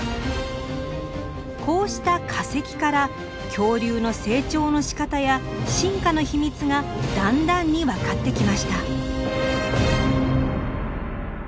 こうした化石から恐竜の成長のしかたや進化の秘密がだんだんに分かってきました。